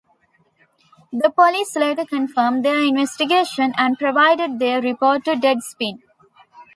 The police later confirmed their investigation and provided their report to Deadspin.